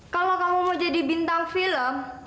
kalau kamu mau jadi bintang film